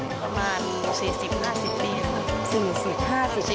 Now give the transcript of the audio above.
ประมาณ๔๕๕๐ปี